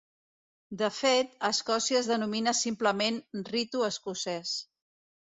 De fet, a Escòcia es denomina simplement Ritu Escocès.